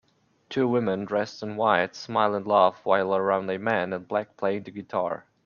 Two women dressed in white smile and laugh while around a man in black playing the guitar.